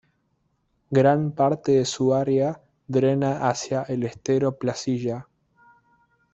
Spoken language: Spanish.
Gran parte de su área drena hacia el Estero Placilla.